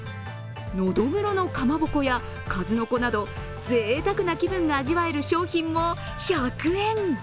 のどぐろのかまぼこや数の子などぜいたくな気分が味わえる商品も１００円。